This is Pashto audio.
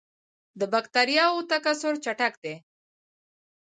د بکټریاوو تکثر چټک دی.